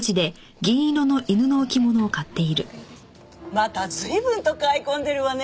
また随分と買い込んでるわね。